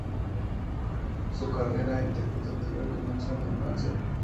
Su carrera interpretativa comenzó en la infancia.